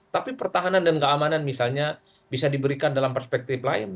tapi pertahanan dan keamanan misalnya bisa diberikan dalam perspektif lain